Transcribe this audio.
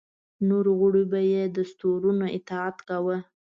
نورو غړو به یې دستورونو اطاعت کاوه.